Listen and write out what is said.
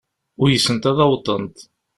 Uysent ad awḍent.